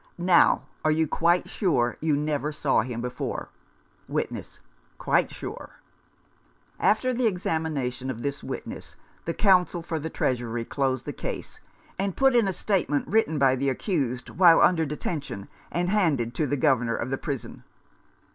Now, are you quite sure you never saw him before ?" Witness :" Quite sure." After the examination of this witness, the counsel for the Treasury closed the case, and put in a statement written by the accused while under 153 Rough Justice. detention, and handed to the Governor of the prison.